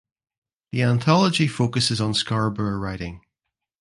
The anthology focuses on Scarborough writing.